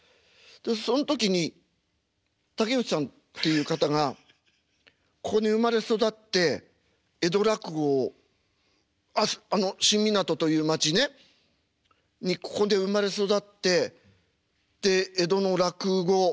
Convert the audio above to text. そん時に竹内さんっていう方がここに生まれ育って江戸落語をあの新湊という町ねにここで生まれ育ってで江戸の落語立川談志。